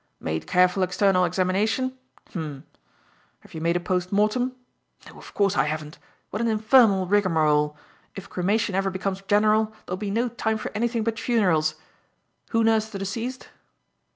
"'Made careful external examination?' H'm. 'Have you made a post mortem?' No, of course, I haven't. What an infernal rigmarole! If cremation ever becomes general there'll be no time for anything but funerals. Who nursed the deceased?"